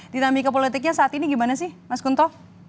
dinamika politiknya saat ini gimana sih mas kunto